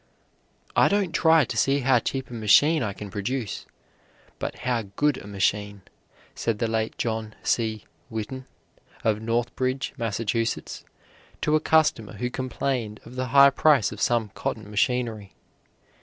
"I don't try to see how cheap a machine I can produce, but how good a machine," said the late John C. Whitin, of Northbridge, Mass., to a customer who complained of the high price of some cotton machinery.